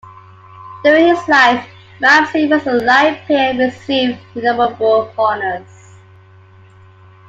During his life, Ramsey was a Life Peer and received innumerable honors.